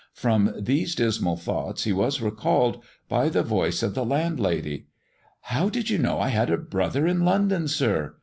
Promi these dismal thoughts he was recalled by the voice of the landlady. " How did you know I had a brother in London, sir